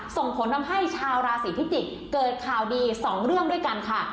ส่งผลทำให้ชาวราศีพิจิกษ์เกิดข่าวดีสองเรื่องด้วยกันค่ะ